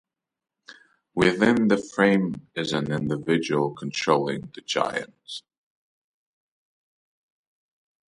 Within the frame is an individual controlling the giant.